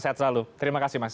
sehat selalu terima kasih mas